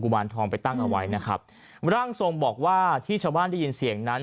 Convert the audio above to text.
มารทองไปตั้งเอาไว้นะครับร่างทรงบอกว่าที่ชาวบ้านได้ยินเสียงนั้น